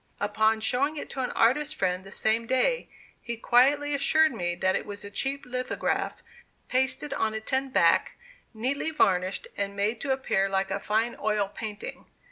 Upon showing it to an artist friend the same day, he quietly assured me that it was a cheap lithograph pasted on a tin back, neatly varnished, and made to appear like a fine oil painting.